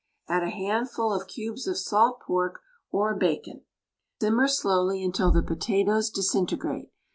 Add a handful of cubes of salt pork or bacon. Simmer slowly until the potatoes disintegrate.